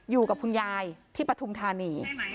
อยู่กับคุณยายที่ปฐุมธานี